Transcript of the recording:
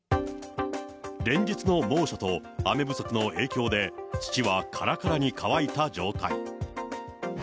連日の猛暑と雨不足の影響で、土はからからに乾いた状態。